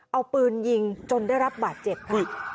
เอาปืนยิงจนได้รับบาดเจ็บนี่